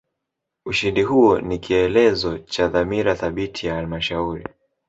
ushindi huo ni kieelezo cha dhamira thabiti ya halmashauri